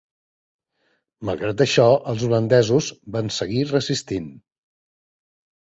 Malgrat això, els holandesos van seguir resistint.